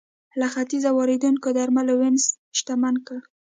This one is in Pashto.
له ختیځه واردېدونکو درملو وینز شتمن کړ.